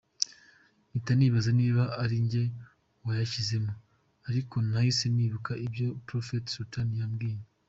Mpita nibaza niba ari njye wayashyizemo ariko nahise nibuka ibyo Prophet Sultan yambwiye.